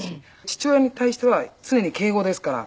父親に対しては常に敬語ですから。